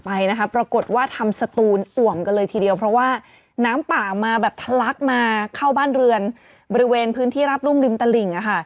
ไปนะคะปรากฏว่าทำสตูนอ่วมกันเลยทีเดียวเพราะว่าน้ำป่ามาแบบทะลักมาเข้าบ้านเรือนบริเวณพื้นที่ราบรุ่มริมตลิ่ง